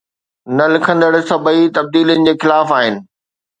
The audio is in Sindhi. نه لکندڙ سڀئي تبديلين جي خلاف آهن